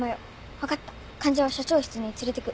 分かった患者は社長室に連れてく。